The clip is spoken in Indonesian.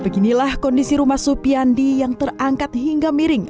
beginilah kondisi rumah supiandi yang terangkat hingga miring